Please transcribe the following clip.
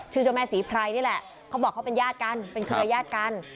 เจ้าแม่ศรีไพรนี่แหละเขาบอกเขาเป็นญาติกันเป็นเครือยาศกัน